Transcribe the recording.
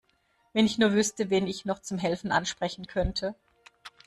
Wenn ich nur wüsste, wen ich noch zum Helfen ansprechen könnte.